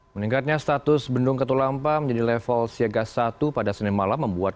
meningkatnya status bendung ketulampa menjadi level siaga satu pada senin malam membuat